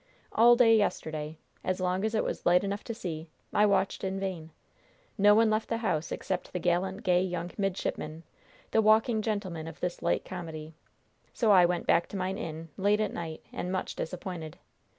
All day yesterday, as long as it was light enough to see, I watched in vain. No one left the house, except the gallant, gay, young midshipman the walking gentleman of this light comedy. So I went back to mine inn late at night, and much disappointed.